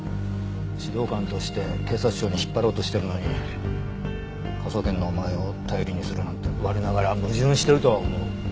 指導官として警察庁に引っ張ろうとしてるのに科捜研のお前を頼りにするなんて我ながら矛盾してるとは思う。